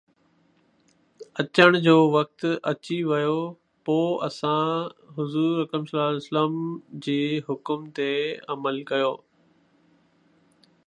اچڻ جو وقت اچي ويو، پوءِ اسان حضور ﷺ جي حڪم تي عمل ڪيو